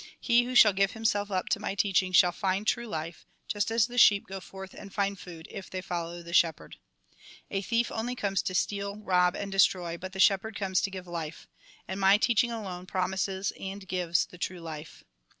He who shall give himself up to my teach ing shall find true life ; just as the sheep go forth and find food, if they follow the shepherd. " A thief only comes to steal, rob, and destroy, but the shepherd comes to give life. And my teaching alone promises, and gives the true hfe.